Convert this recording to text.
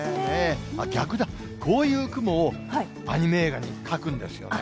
あっ、逆だ、こういう雲をアニメ映画に描くんですよね。